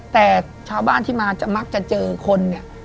แต่ชาวบ้านที่มาจะมักจะเจอคนเนี่ย